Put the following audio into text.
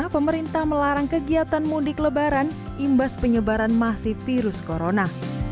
pemerintah melarang kegiatan mudik lebaran imbas penyebaran masih virus corona